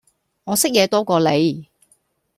我識野多過你